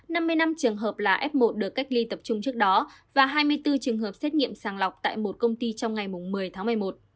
năm mươi năm trường hợp là f một được cách ly tập trung trước đó và hai mươi bốn trường hợp xét nghiệm sàng lọc tại một công ty trong ngày một mươi tháng một mươi một